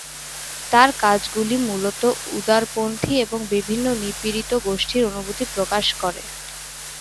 তার কাজগুলি মূলত উদারপন্থী এবং বিভিন্ন নিপীড়িত গোষ্ঠীর অনুভূতি প্রকাশ করে।